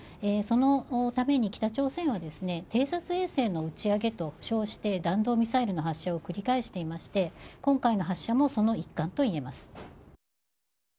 そのために北朝鮮は偵察衛星の打ち上げと称して弾道ミサイルの発射を繰り返していまして今回の発射もその一環と言えます。